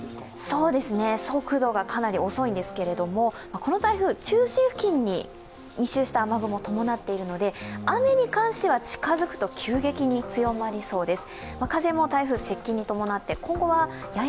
速度がかなり遅いんですけれども、この台風、中心付近に密集した雨雲、伴っているので雨に関しては、近づくと急激に強まりそうです。